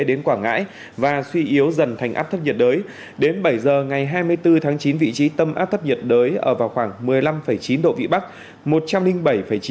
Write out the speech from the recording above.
đến quảng ngãi và suy yếu dần thành áp thấp nhiệt đới đến bảy giờ ngày hai mươi bốn tháng chín vị trí tâm áp thấp nhiệt đới ở vào khoảng một mươi năm chín độ vĩ bắc